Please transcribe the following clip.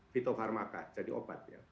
vito pharmaka jadi obat ya